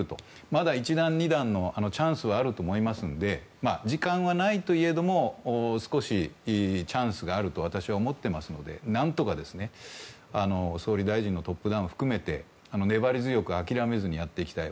まだ１段、２段のチャンスはあると思いますので時間はないといえども少しチャンスがあると私は思っているので何とか総理大臣のトップダウンを含めて粘り強く諦めずにやっていきたい。